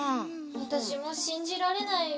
わたしもしんじられないよ。